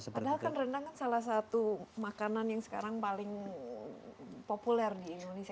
padahal kan rendang kan salah satu makanan yang sekarang paling populer di indonesia